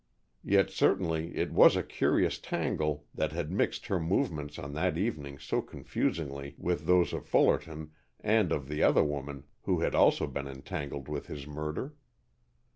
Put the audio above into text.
Yet certainly it was a curious tangle that had mixed her movements on that evening so confusingly with those of Fullerton and of the other woman who had also been entangled with his murder.